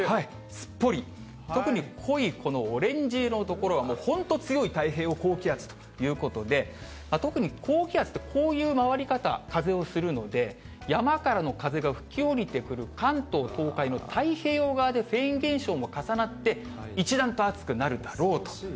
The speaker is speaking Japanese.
すっぽり、特に濃いオレンジ色の所は、本当に強い太平洋高気圧ということで、特に高気圧って、こういう回り方、風をするので、山からの風が吹き降りてくる関東、東海の太平洋側でフェーン現象も重なって、一段と暑くなるだろうと。